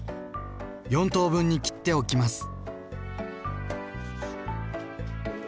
４等分に切っておきます。